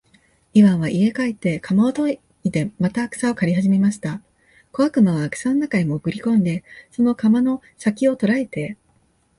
イワンは家へ帰って鎌をといでまた草を刈りはじめました。小悪魔は草の中へもぐり込んで、その鎌の先きを捉えて、